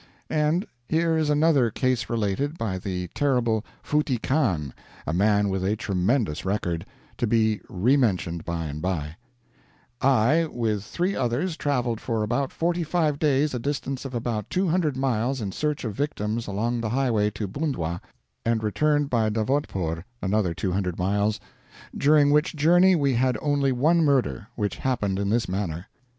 And here is another case related by the terrible Futty Khan, a man with a tremendous record, to be re mentioned by and by: "I, with three others, traveled for about 45 days a distance of about 200 miles in search of victims along the highway to Bundwa and returned by Davodpore (another 200 miles) during which journey we had only one murder, which happened in this manner.